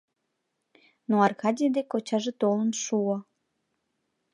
Но Аркадий дек кочаже толын шуо.